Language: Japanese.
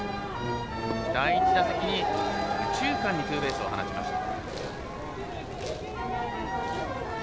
第１打席に右中間にツーベースを放ちました。